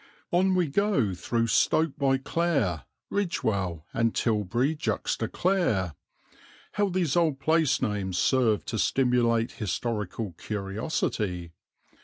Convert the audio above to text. On we go through Stoke by Clare, Ridgewell, and Tilbury juxta Clare (how these old place names serve to stimulate historical curiosity!)